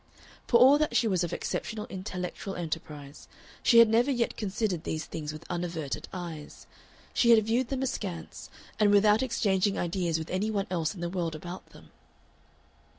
For all that she was of exceptional intellectual enterprise, she had never yet considered these things with unaverted eyes. She had viewed them askance, and without exchanging ideas with any one else in the world about them.